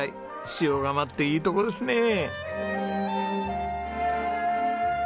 塩竈っていいとこですねえ。